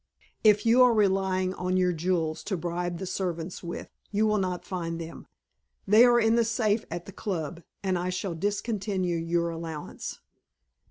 If you are relying on your jewels to bribe the servants with, you will not find them. They are in the safe at the Club. And I shall discontinue your allowance."